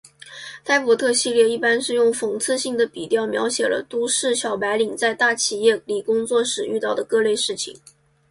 呆伯特系列一般是用讽刺性的笔调描写了都市小白领在大企业里工作时遇到的各类事情。